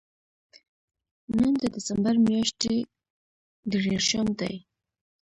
نن د دېسمبر میاشتې درېرشم دی